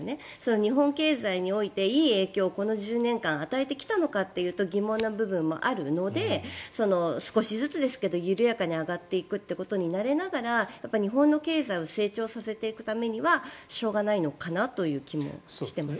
日本経済において、いい影響をこの１０年間与えてきたのかというと疑問な部分もあるので少しずつですけど緩やかに上がっていくということに慣れながら日本の経済を成長させていくためにはしょうがないのかなという気もしています。